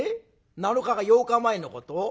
７日か８日前のこと？